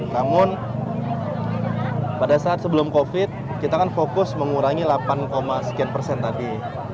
namun pada saat sebelum covid kita kan fokus mengurangi delapan sekian persen tadi